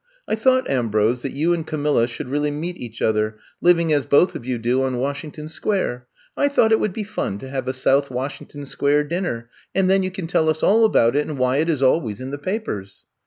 I thought, Ambrose, that you and Camilla should really meet each other, living as both of you do on Washington Square. I thought it would be fun to have a South Washington Square dinner, and then you can tell us all about it and why it is always in the papers.'